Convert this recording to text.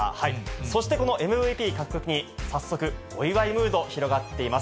そしてこのＭＶＰ獲得に、早速、お祝いムード、広がっています。